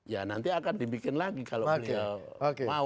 ya nanti akan dibikin lagi kalau beliau mau